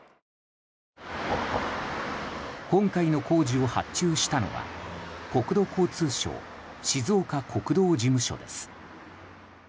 今回の工事を発注したのは国土交通省静岡国道事務所です。